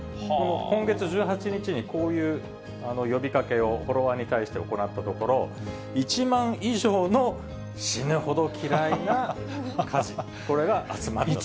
今月１８日にこういう呼びかけをフォロワーに対して行ったところ、１万以上の死ぬほど嫌いな家事、これが集まったと。